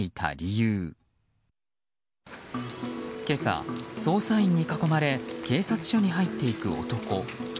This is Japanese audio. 今朝、捜査員に囲まれ警察署に入っていく男。